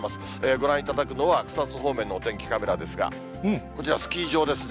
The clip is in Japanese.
ご覧いただくのは、草津方面のお天気カメラですが、こちら、スキー場ですね。